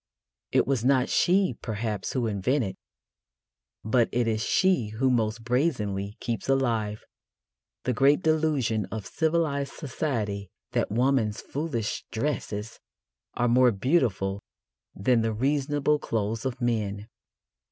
It was not she, perhaps, who invented, but it is she who most brazenly keeps alive, the great delusion of civilised society that woman's foolish dresses are more beautiful than the reasonable clothes of men.